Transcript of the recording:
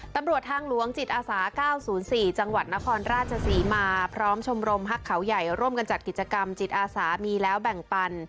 ตำรวจทางหลวงจิตอาสา๙๐๔จังหวัดนครราชศรีมาพร้อมชมรมฮักเขาใหญ่ร่วมกันจัดกิจกรรมจิตอาสามีแล้วแบ่งปัน